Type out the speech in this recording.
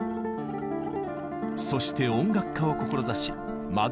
そして音楽家を志し